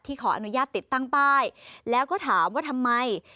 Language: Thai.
ขออนุญาตติดตั้งป้ายแล้วก็ถามว่าทำไม